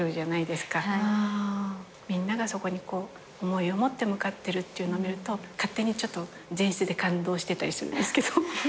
みんながそこに思いを持って向かってるっていうの見ると勝手にちょっと前室で感動してたりするんですけど。